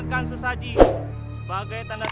sang jenis penyintang ananda planjake